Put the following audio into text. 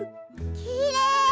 きれい！